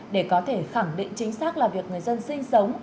để có thể khẳng định chính xác là việc người dân sinh sống